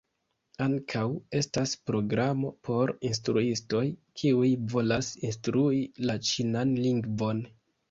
Ankaŭ estas programo por instruistoj, kiuj volas instrui la ĉinan lingvon.